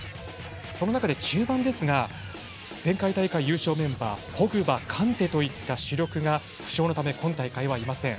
その中で中盤ですが前回大会優勝メンバーポグバ、カンテといった主力が負傷のため今大会はいません。